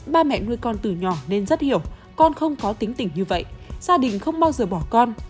ba mẹ nuôi con từ nhỏ nên rất hiểu con không có tính tỉnh như vậy gia đình không bao giờ bỏ con